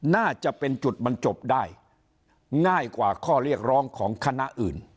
น่าจะเป็นจุดบรรจบได้ง่ายกว่าข้อเรียกร้องของคณะอื่น